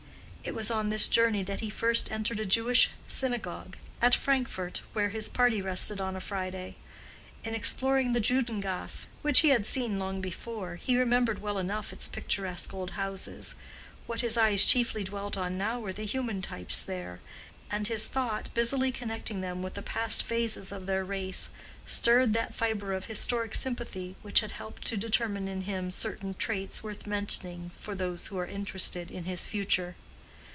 It was on this journey that he first entered a Jewish synagogue—at Frankfort—where his party rested on a Friday. In exploring the Juden gasse, which he had seen long before, he remembered well enough its picturesque old houses; what his eyes chiefly dwelt on now were the human types there; and his thought, busily connecting them with the past phases of their race, stirred that fibre of historic sympathy which had helped to determine in him certain traits worth mentioning for those who are interested in his future.